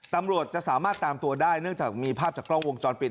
ตำรวจจะสามารถตามตัวได้เนื่องจากมีภาพจากกล้องวงจรปิด